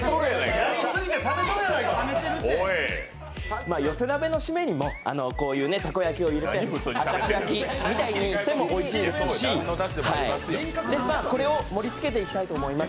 まぁ、寄せ鍋の締めにもこういうたこ焼きを入れて明石焼きみたにしてもおいしいですし、これを盛りつけていきたいと思います。